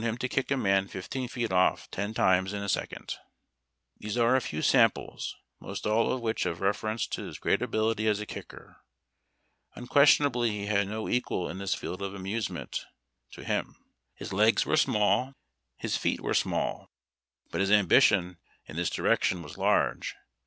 289 him to kick a man fifteen feet off ten times in a second." These are a few samples, most all of which have reference to his great ability as a kicker. Unquestionably he had no equal in this field of amusement — to him. His legs were small, his feet were small, but his ambition in this direction was large.